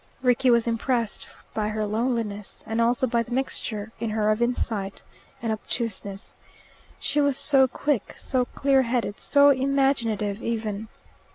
Rickie was impressed by her loneliness, and also by the mixture in her of insight and obtuseness. She was so quick, so clear headed, so imaginative even.